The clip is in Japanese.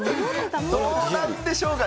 どうなんでしょうか。